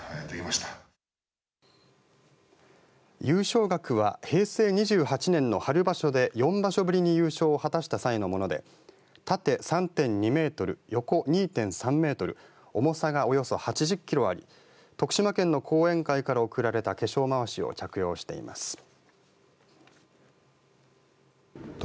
優勝額は平成２８年の春場所で４場所ぶりに優勝を果たした際のもので縦３．２メートル横２．３メートル重さが、およそ８０キロあり徳島県の後援会から贈られた化粧まわしを着用しています。